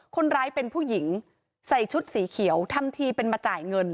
คนร้ายเป็นผู้หญิงใส่ชุดสีเขียวทำทีเป็นมาจ่ายเงิน